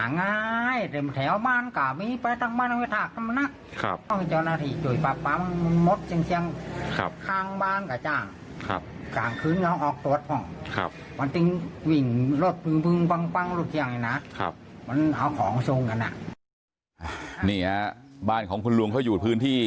นี่เนี่ยบ้านของคุณลุงเขาอยู่ที่ที่